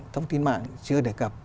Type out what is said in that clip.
thông tin mạng chưa đề cập